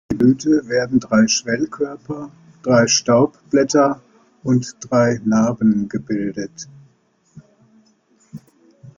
Je Blüte werden drei Schwellkörper, drei Staubblätter und drei Narben gebildet.